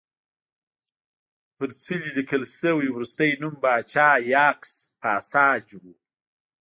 پر څلي لیکل شوی وروستی نوم پاچا یاکس پاساج و